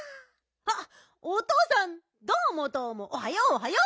あっおとうさんどうもどうもおはようおはよう。